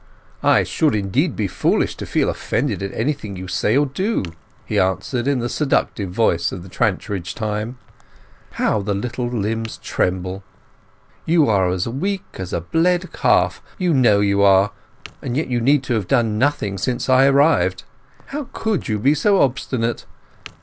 "I should indeed be foolish to feel offended at anything you say or do," he answered, in the seductive voice of the Trantridge time. "How the little limbs tremble! You are as weak as a bled calf, you know you are; and yet you need have done nothing since I arrived. How could you be so obstinate?